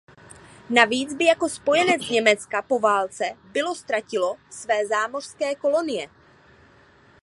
Navíc by jako spojenec Německa po válce bylo ztratilo své zámořské kolonie.